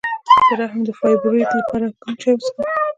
د رحم د فایبرویډ لپاره کوم چای وڅښم؟